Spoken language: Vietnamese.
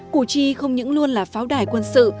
củ chi không những luôn là pháo đài quân sự